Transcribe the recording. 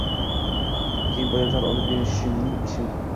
Kiyim, poyabzal olib berishmening ishim